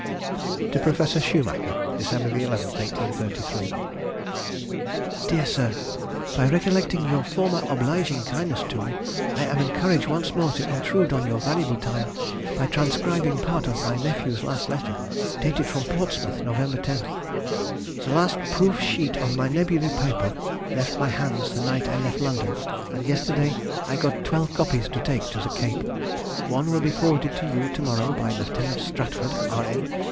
[Sidenote: 1833. To Professor Schumacher.] TO PROFESSOR SCHUMACHER. Dec. 11, 1833. DEAR SIR,— By recollecting your former obliging kindness to me, I am encouraged once more to intrude on your valuable time by transcribing part of my nephew's last letter, dated from Portsmouth, November 10th:—"The last proof sheet of my nebulæ paper left my hands the night I left London, and yesterday I got twelve copies to take to the Cape. One will be forwarded to you to morrow by Lieut. Stratford, R.N.